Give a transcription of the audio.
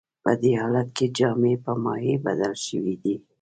په دې حالت کې جامد په مایع بدل شوی دی.